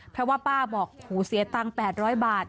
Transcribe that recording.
เพราะว่าป้าบอกหูเสียตังค์๘๐๐บาท